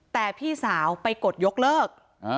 แต่พี่สาวไปกดยกเลิก